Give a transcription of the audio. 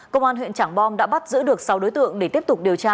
công an huyện trảng bom đã bắt giữ được sáu đối tượng để tiếp tục điều tra